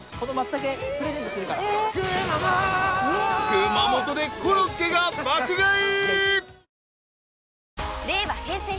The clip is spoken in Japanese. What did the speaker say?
［熊本でコロッケが爆買い］